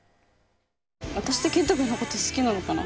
私って健人君のこと好きなのかな。